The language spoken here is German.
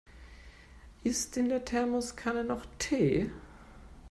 Ist in der Thermoskanne noch Tee?